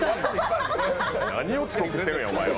何を遅刻しとるんや、おまえは！